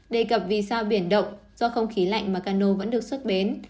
đề cập vì sao biển động do không khí lạnh mà cano vẫn được xuất bến